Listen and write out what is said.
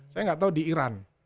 saya gak tau di iran